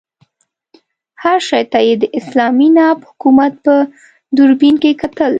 هر شي ته یې د اسلامي ناب حکومت په دوربین کې کتل.